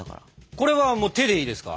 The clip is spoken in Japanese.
これはもう手でいいですか？